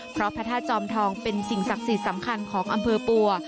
เพราะพระธาตุจอมทองเป็นสิ่งศักดิ์สิทธิ์สำคัญของอำเภอปัว